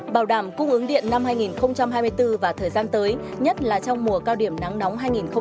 bảo đảm cung ứng điện năm hai nghìn hai mươi bốn và thời gian tới nhất là trong mùa cao điểm nắng nóng hai nghìn hai mươi bốn